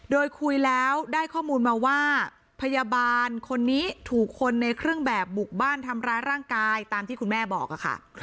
โดยคุยแล้วได้ข้อมูลมาว่าพยาบาลคนนี้ถูกคนในเครื่องแบบบุกบ้านทำร้ายร่างกายตามที่คุณแม่บอกค่ะ